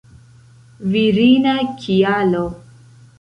Virina kialo.